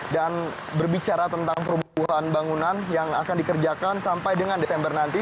dan berbicara tentang perubuhan bangunan yang akan dikerjakan sampai dengan desember nanti